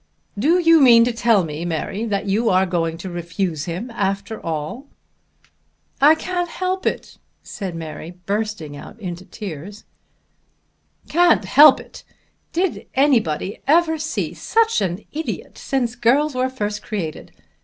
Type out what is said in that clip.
"Do you mean to tell me, Mary, that you are going to refuse him after all?" "I can't help it," said Mary, bursting out into tears. "Can't help it! Did anybody ever see such an idiot since girls were first created?